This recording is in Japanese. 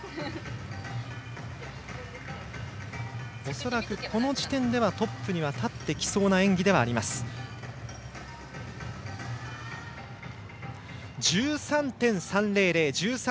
恐らくこの時点でトップに立ってきそうな演技。１３．３００